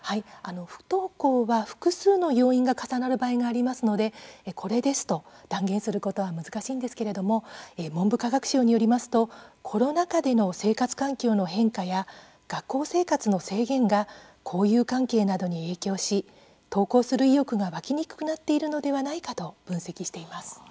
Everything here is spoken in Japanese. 不登校は複数の要因が重なる場合がありますので「これです」と断言することは難しいんですけれども文部科学省によりますとコロナ禍での生活環境の変化や学校生活の制限が交友関係などに影響し、登校する意欲が湧きにくくなっているのではないか、と分析しています。